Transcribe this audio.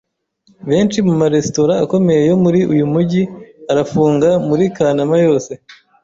Benshi mu maresitora akomeye yo muri uyu mujyi arafunga muri Kanama yose.